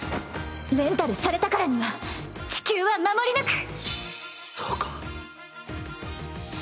レンタルされたからには地球は守り抜く。